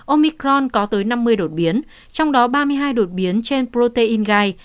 omicron có tới năm mươi đột biến trong đó ba mươi hai đột biến trên protein gai